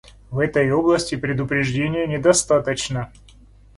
В этой области предупреждения недостаточно.